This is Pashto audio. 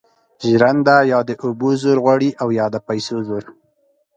ژرنده یا د اوبو زور غواړي او یا د پیسو زور.